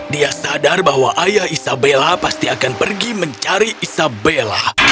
dia sadar bahwa ayah isabella pasti akan pergi mencari isabella